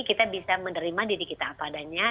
kita bisa menerima diri kita apa adanya